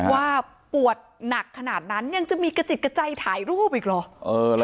ว่าปวดหนักขนาดนั้นยังจะมีกระจิตกระใจถ่ายรูปอีกเหรอ